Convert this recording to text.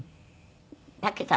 だけど